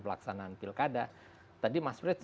pelaksanaan pilkada tadi mas frits